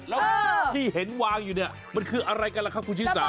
แล้วที่เห็นวางอยู่เนี่ยมันคืออะไรกันล่ะครับคุณชิสา